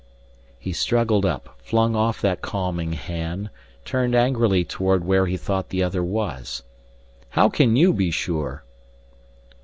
He struggled up, flung off that calming hand, turned angrily toward where he thought the other was. "How can you be sure?"